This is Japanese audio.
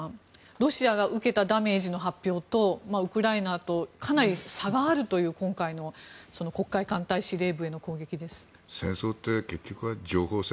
ロシアが受けたダメージの発表とウクライナとかなり差があるという今回の黒海艦隊司令部への戦争って結局は情報戦